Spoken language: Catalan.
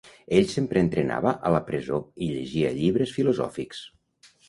Ell sempre entrenava a la presó i llegia llibres filosòfics.